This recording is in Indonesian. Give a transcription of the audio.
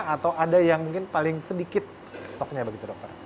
atau ada yang mungkin paling sedikit stoknya begitu dokter